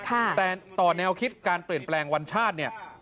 แต่ต่อแนวคิดการเปลี่ยนแปลงวันชาติเนี่ย